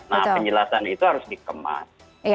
nah penjelasan itu harus dikemas